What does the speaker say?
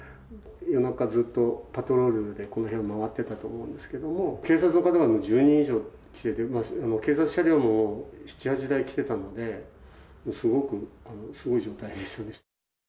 夜中、ずっとパトロールでこの辺を回ってたと思うんですけども、警察の方が１０人以上来てて、警察車両も７、８台来てたので、すごく、すごい状態でしたね。